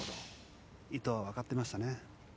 伊藤は分かってましたね。